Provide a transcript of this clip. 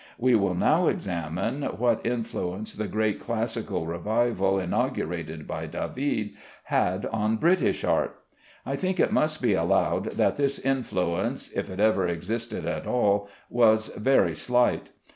We will now examine what influence the great classical revival, inaugurated by David, had on British art. I think it must be allowed that this influence (if it ever existed at all) was very slight.